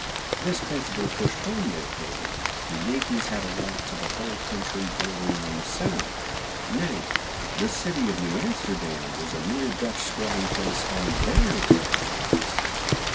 This principle pushed home, therefore, the Yankees had a right to the whole country bordering on the Sound; nay, the city of New Amsterdam was a mere Dutch squatting place on their territories.